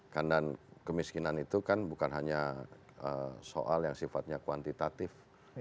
karena kemiskinan itu kan bukan hanya soal yang sifatnya kuantitatif